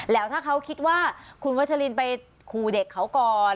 แล้วถ้าเขาคิดว่าคุณวัชลินไปขู่เด็กเขาก่อน